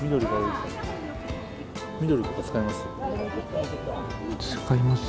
緑とか使います？